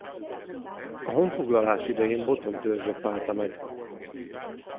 A honfoglalás idején Botond törzse szállta meg.